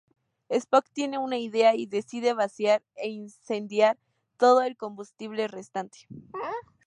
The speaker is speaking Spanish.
Spock tiene una idea y decide vaciar e incendiar todo el combustible restante.